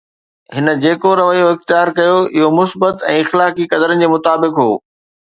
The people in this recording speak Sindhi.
هن جيڪو رويو اختيار ڪيو اهو مثبت ۽ اخلاقي قدرن جي مطابق هو.